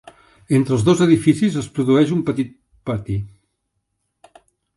Entre els dos edificis es produeix un petit pati.